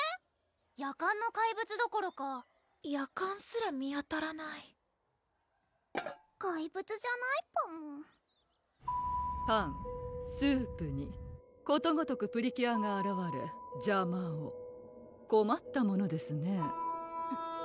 ヤカンの怪物どころかヤカンすら見当たらない怪物じゃないパムパンスープにことごとくプリキュアがあらわれ邪魔をこまったものですね